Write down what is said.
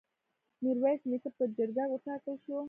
میرویس نیکه په جرګه وټاکل شو.